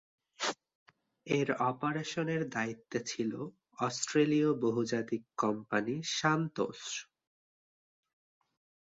এর অপারেশনের দায়িত্বে ছিল অস্ট্রেলীয় বহুজাতিক কোম্পানি সান্তোস।